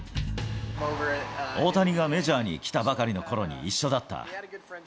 大谷がメジャーに来たばかりのころに一緒だった。